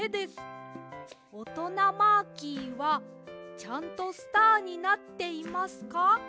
おとなマーキーはちゃんとスターになっていますか？